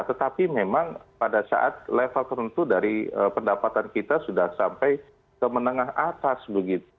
tetapi memang pada saat level tertentu dari pendapatan kita sudah sampai ke menengah atas begitu